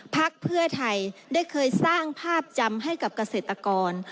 พักเพื่อไทยได้เคยสร้างภาพจำให้กับเกษตรกร